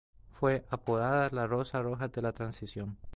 Fue apodada "la rosa roja de la transición".